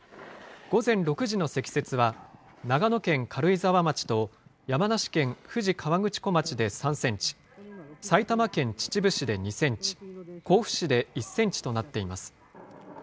午前６時の積雪は、長野県軽井沢町と山梨県富士河口湖町で３センチ、埼玉県秩父市で２センチ、甲府市で１センチとなっています。